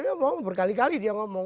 itu berkali kali dia ngomong